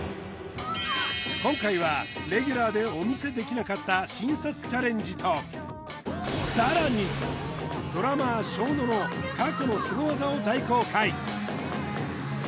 今回はレギュラーでお見せできなかった新撮チャレンジとさらにドラマーＳＨＯＮＯの過去のすご技を大公開